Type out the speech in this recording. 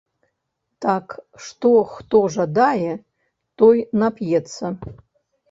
Так што хто жадае, той нап'ецца.